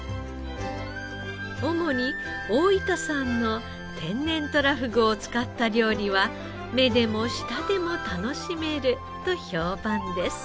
主に大分産の天然とらふぐを使った料理は目でも舌でも楽しめると評判です。